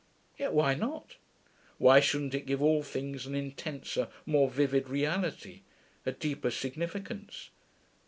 Yet why not? Why shouldn't it give all things an intenser, more vivid reality, a deeper significance?